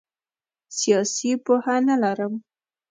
سیاسي پوهه نه لرم.